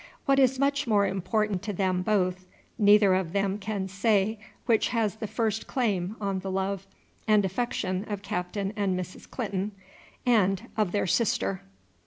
What is much more important to them both, neither of them can say which has the first claim on the love and affection of Captain and Mrs. Clinton, and of their sister.